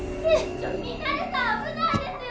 ちょミナレさん危ないですよ！